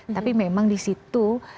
tapi memang di situ